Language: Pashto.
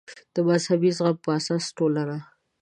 د مذهبي زغم پر اساس ټولنه